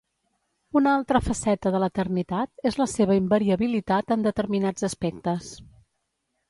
Una altra faceta de l'eternitat és la seva invariabilitat en determinats aspectes.